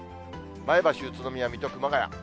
前橋、宇都宮、水戸、熊谷。